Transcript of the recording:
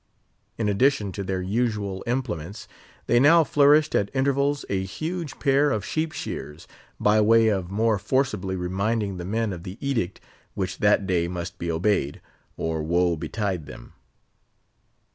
In addition to their usual implements, they now flourished at intervals a huge pair of sheep shears, by way of more forcibly reminding the men of the edict which that day must be obeyed, or woe betide them.